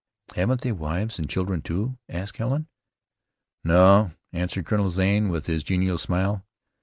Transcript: "Haven't they wives and children, too?" asked Helen. "No," answered Colonel Zane, with his genial smile.